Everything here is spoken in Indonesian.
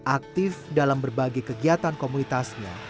aktif dalam berbagai kegiatan komunitasnya